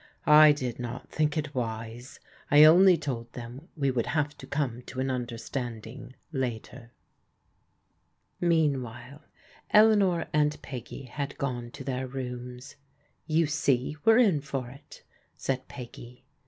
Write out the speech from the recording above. I did not think it wise. I only told them we would have to come to an understanding later." Meanwhile Eleanor and Peggy had gone to thdr rooms. " You see we're in for it," said Peggy.